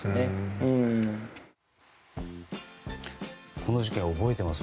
この事件、覚えています